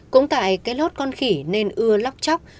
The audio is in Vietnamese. cũng tại cái lốt con khỉ nên ưa lóc chóc